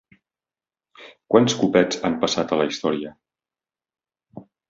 Quants copets han passat a la història?